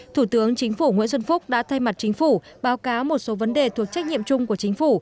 thủ tướng chính phủ nguyễn xuân phúc đã thay mặt chính phủ báo cáo một số vấn đề thuộc trách nhiệm chung của chính phủ